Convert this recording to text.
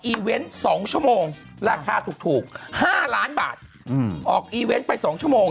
อีเวนต์สองชั่วโมงราคาถูกห้าล้านบาทอืมออกอีเวนต์ไปสองชั่วโมง